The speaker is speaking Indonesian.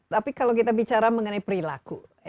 tapi kalau kita bicara mengenai perilaku